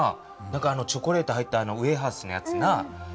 何かチョコレート入ったウエハースのやつな。